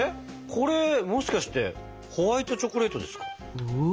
これもしかしてホワイトチョコレートですか？